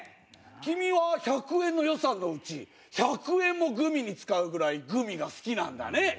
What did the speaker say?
君は１００円の予算のうち１００円もグミに使うぐらいグミが好きなんだね。